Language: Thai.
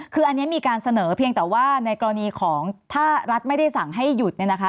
คืออันนี้มีการเสนอเพียงแต่ว่าในกรณีของถ้ารัฐไม่ได้สั่งให้หยุดเนี่ยนะคะ